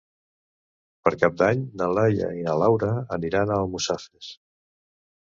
Per Cap d'Any na Laia i na Laura aniran a Almussafes.